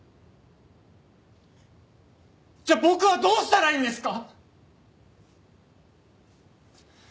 じゃあ僕はどうしたらいいんですか！？